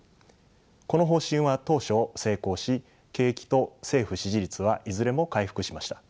この方針は当初成功し景気と政府支持率はいずれも回復しました。